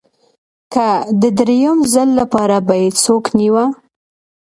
که د درېیم ځل لپاره به یې څوک نیوه